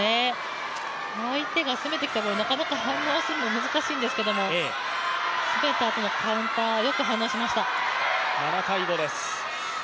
相手が攻めてきたボールなかなか反応するのは難しいんですけれども攻めたあとのカウンターよく反応しました。